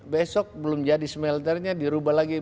besok belum jadi smelternya dirubah lagi